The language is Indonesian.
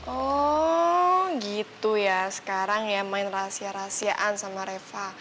oh gitu ya sekarang ya main rahasia rahasiaan sama reva